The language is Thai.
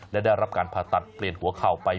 และได้รับการผ่าตัดเปลี่ยนหัวเข่าไป